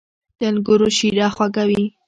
• د انګورو شیره خوږه وي.